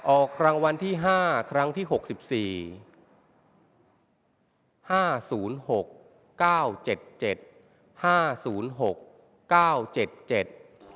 ออกรางวัลที่ห้าครั้งที่หกสิบสี่ห้าศูนย์หกเก้าเจ็ดเจ็ดห้าศูนย์หกเก้าเจ็ดเจ็ด